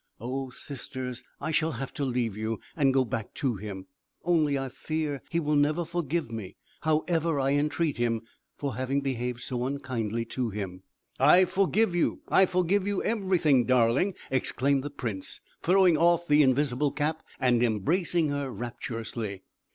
Oh! sisters! I shall have to leave you, and go back to him; only I fear he will never forgive me, however I entreat him, for having behaved so unkindly to him." "I forgive you, I forgive you everything, darling!" exclaimed the prince throwing off the invisible cap, and embracing her rapturously.